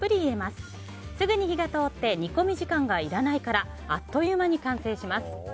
すぐに火が通って煮込み時間がいらないからあっという間に完成します。